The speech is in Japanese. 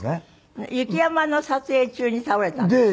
雪山の撮影中に倒れたんですって？